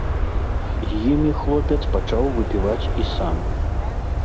З імі хлопец пачаў выпіваць і сам.